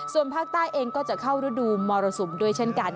ส่วนภาคใต้เองก็จะเข้าฤดูมรสุมด้วยเช่นกัน